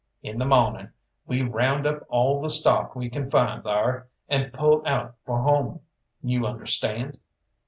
In the mawning we round up all the stock we can find thar, and pull out for home. You understand?"